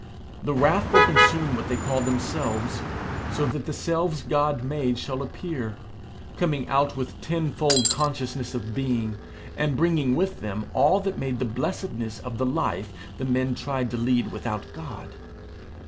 The wrath will consume what they call themselves; so that the selves God made shall appear, coming out with tenfold consciousness of being, and bringing with them all that made the blessedness of the life the men tried to lead without God.